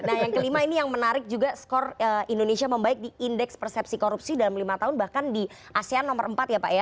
nah yang kelima ini yang menarik juga skor indonesia membaik di indeks persepsi korupsi dalam lima tahun bahkan di asean nomor empat ya pak ya